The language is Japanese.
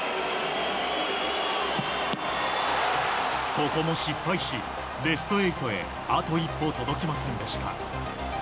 ここも失敗し、ベスト８へあと一歩届きませんでした。